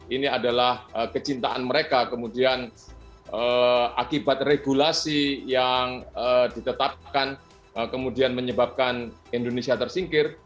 ini adalah kecintaan mereka kemudian akibat regulasi yang ditetapkan kemudian menyebabkan indonesia tersingkir